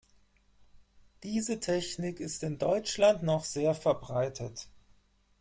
Diese Technik ist in Deutschland noch sehr verbreitet.